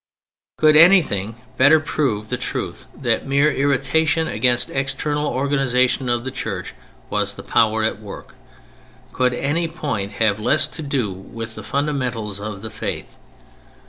Could anything better prove the truth that mere irritation against the external organization of the Church was the power at work? Could any point have less to do with the fundamentals of the Faith?